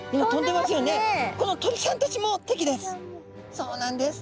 この鳥さんたちも敵です。